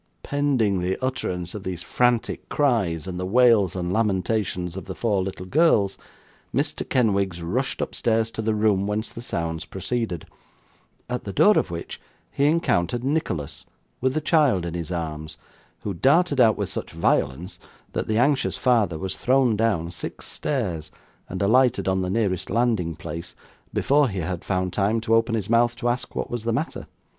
Pending the utterance of these frantic cries, and the wails and lamentations of the four little girls, Mr. Kenwigs rushed upstairs to the room whence the sounds proceeded; at the door of which, he encountered Nicholas, with the child in his arms, who darted out with such violence, that the anxious father was thrown down six stairs, and alighted on the nearest landing place, before he had found time to open his mouth to ask what was the matter.